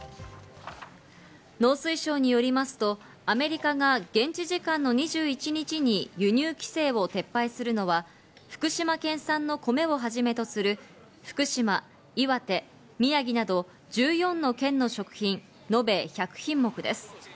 農水省によりますとアメリカが現地時間の２１日に輸入規制を撤廃するのは福島県産のコメをはじめとする福島、岩手、宮城など１４の県の食品、のべ１００品目です。